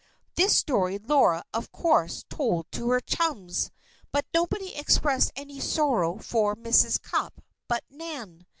This story Laura, of course, told to her chums; but nobody expressed any sorrow for Mrs. Cupp but Nan.